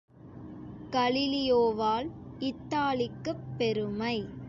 கலீலியோவால் இத்தாலிக்குப் பெருமை!